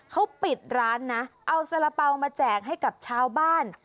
เขาปิดร้านนะเอาสาระเป๋ามาแจกให้กับชาวบ้าน